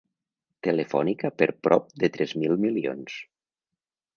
Telefònica per prop de tres mil milions.